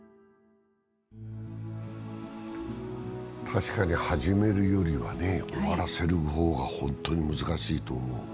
確かに始めるよりは終わらせる方が本当に難しいと思う。